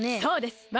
そうです！